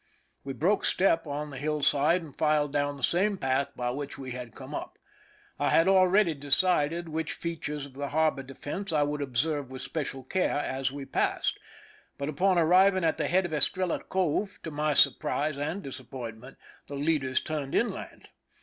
We broke step on the hill side, and filed down the same path by which we had come up. I had already decided which fea tures of the harbor defense I would observe with special care as we passed; but upon arriving at the head of Estrella Cove, to my surprise and dis appointment, the leaders turned inland.